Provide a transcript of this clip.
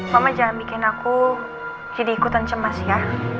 mama jangan bikin aku jadi ikutan cemas ya